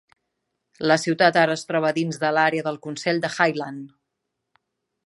La ciutat ara es troba dins de l'àrea del consell de Highland.